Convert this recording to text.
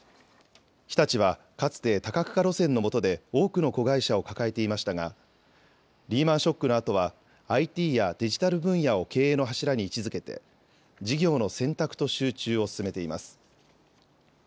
日立はかつて多角化路線のもとで多くの子会社を抱えていましたがリーマンショックのあとはＩＴやデジタル分野を経営の柱に位置づけて事業の選択と集中を進めています。